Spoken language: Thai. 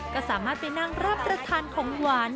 ก็สามารถไปนั่งรับประทานของหวาน